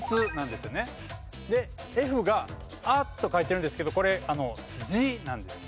でＦが「あ」と書いてるんですけどこれ「字」なんです。